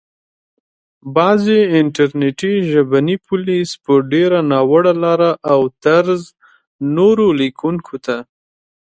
بعضي انټرنټي ژبني پوليس په ډېره ناوړه لاره او طرز نورو ليکونکو ته